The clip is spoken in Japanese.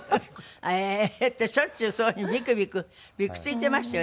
へえーってしょっちゅうそういうふうにビクビクビクついてましたよ